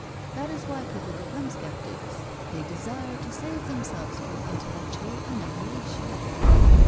That is why people become sceptics. They desire to save themselves from intellectual annihilation."